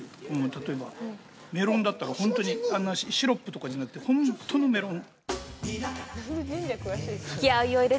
例えばメロンだったら本当にあんなシロップとかじゃなくて本当のメロン。